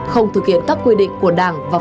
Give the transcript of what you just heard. không thực hiện các quy định của đảng viên